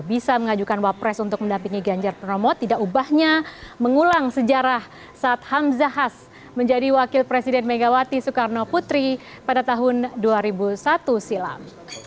bisa mengajukan wapres untuk mendampingi ganjar pranowo tidak ubahnya mengulang sejarah saat hamzahas menjadi wakil presiden megawati soekarno putri pada tahun dua ribu satu silam